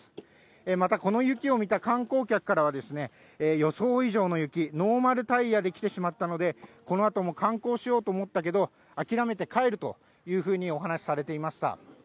また、この雪を見た観光客からは、予想以上の雪、ノーマルタイヤで来てしまったので、このあとも観光しようと思ったけど、諦めて帰るというふうにお話しされていました。